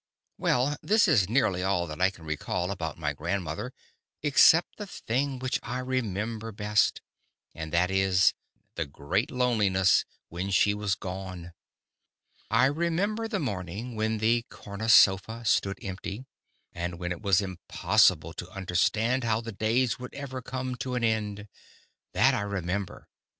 Well, this is nearly all that I can recall about my grandmother, except the thing which I remember best; and that is, the great loneliness when she was gone. I remember the morning when the corner sofa stood empty and when it was impossible to understand how the days would ever come to an end. That I remember.